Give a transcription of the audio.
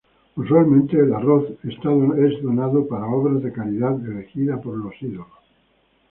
Usualmente, el arroz es donado para obras de caridad elegida por los ídolos.